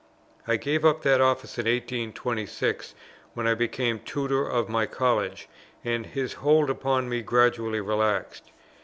I gave up that office in 1826, when I became Tutor of my College, and his hold upon me gradually relaxed.